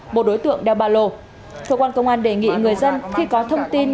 một đối tượng đeo ba lồ cơ quan công an đề nghị người dân khi có thông tin